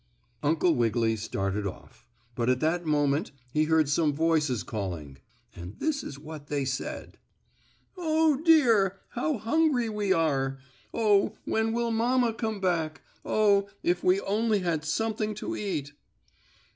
Uncle Wiggily started off, but at that moment he heard some voices calling. And this is what they said: "Oh, dear! How hungry we are! Oh, when will mamma come back! Oh, if we only had something to eat!"